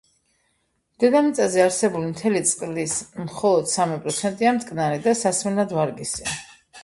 დედამიწაზე არსებული მთელი წყლის მხოლოდ სამი პროცენტია მტკნარი და სასმელად ვარგისი.